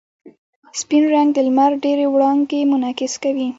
سپین رنګ د لمر ډېرې وړانګې منعکس کوي.